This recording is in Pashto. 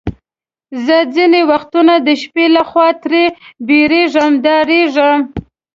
زه ځینې وختونه د شپې له خوا ترې بیریږم، ډارېږم.